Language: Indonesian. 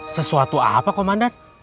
sesuatu apa komandan